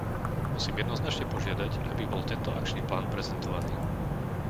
Musím jednoznačne požiadať, aby bol tento akčný plán prezentovaný.